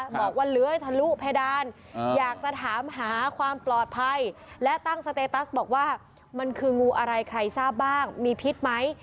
บอกว่าเลื้อยทะลุเพดานอยากจะถามหาความปลอดภัยและตั้งสเตตัสบอกว่ามันคืองูอะไรใครทราบบ้างมีพิษไหม